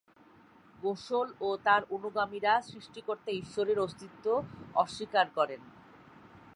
গোসল ও তার অনুগামীরা সৃষ্টিকর্তা ঈশ্বরের অস্তিত্ব অস্বীকার করেন।